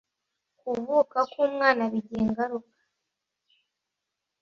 kuvuka k umwana bigira ingaruka